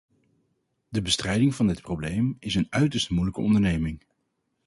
De bestrijding van dit probleem is een uiterst moeilijke onderneming.